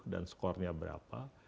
dan skornya berapa